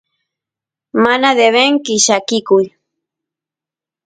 mana devenki llakikuy